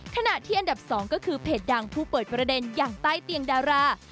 ขณะที่อันดับ๒ก็คือเพจดังผู้เปิดประเด็นอย่างใต้เตียงดารา